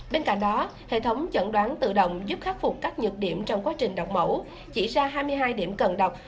bên cạnh đó hệ thống chẩn đoán tự động giúp khắc phục các nhược điểm trong quá trình đọc mẫu chỉ ra hai mươi hai điểm cần đọc